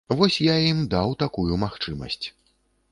Вось я ім даў такую магчымасць.